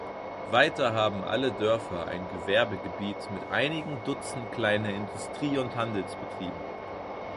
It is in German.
Weiter haben alle Dörfer ein Gewerbegebiet mit einigen Dutzend kleiner Industrie- und Handelsbetrieben.